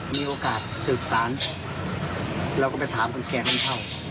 มีโอกาสสืบสารเราก็ไปถามคนแก่ห้องเช่า